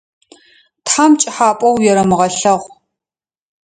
Тхьам пкӏыхьапӏэу уерэмыгъэлъэгъу.